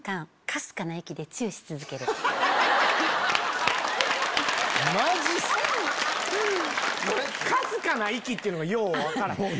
「かすかな息」っていうのがよう分からへん。